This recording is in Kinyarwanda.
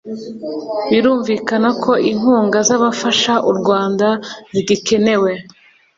birumvikana ko inkunga z'abafasha u rwanda zigikenewe